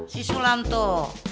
si sulam tuh